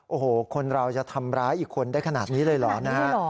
โอ้โหคนเราจะทำร้ายอีกคนได้ขนาดนี้เลยเหรอนะฮะ